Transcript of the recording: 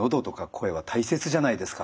声は大切じゃないですか。